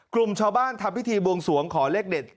กลุ่มชาวบ้านทำพิธีบวงสวงขอเลขเด็ด